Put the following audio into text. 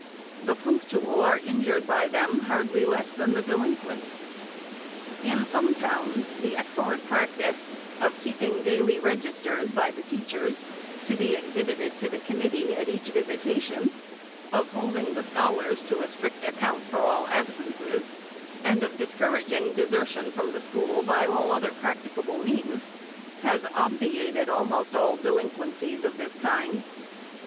The punctual are injured by them hardly less than the delin quent. In some towns, the excellent practice of keeping daily registers by the teachers, to be exhibited to the committee at each visitation, of holding the scholars to a strict account for all absences, and of discouraging de sertion from the school by all other practicable means, has obviated almost all delinquencies of this kind.